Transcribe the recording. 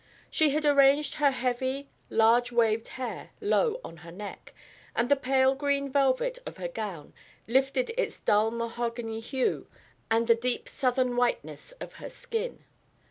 She had arranged her heavy large waved hair low on her neck, and the pale green velvet of her gown lifted its dull mahogany hue and the deep Southern whiteness of her skin.